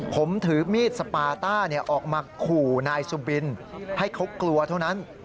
ผมถือมีดสปาต้าออกมาขู่นายสุบินให้เขากลัวเท่านั้น